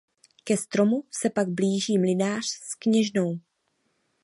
Ke stromu se pak blíží mlynář s kněžnou.